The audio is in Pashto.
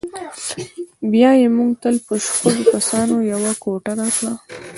بیا یې موږ ته په شپږو کسانو یوه کوټه راکړه.